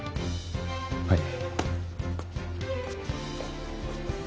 はい。